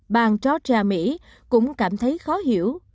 bàn georgia mỹ cũng cảm thấy khó hiểu